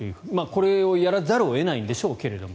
これをやらざるを得ないんでしょうけど。